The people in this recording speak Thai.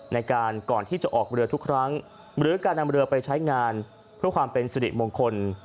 ในการก่อนที่จะออกเรือทุกครั้งหรือการนำเรือไปใช้งานเพื่อความเป็นสิริมงคล